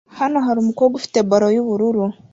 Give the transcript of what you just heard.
Hano harumukobwa ufite ballon yubururu